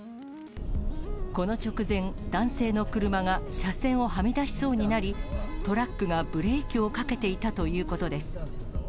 この直前、男性の車が車線をはみ出しそうになり、トラックがブレーキをかけていたということです。